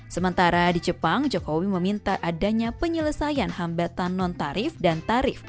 sementara di jepang jokowi meminta adanya penyelesaian hambatan non tarif dan tarif